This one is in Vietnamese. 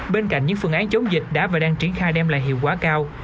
bên cạnh những phương án chống dịch đã và đang triển khai đem lại hiệu quả cao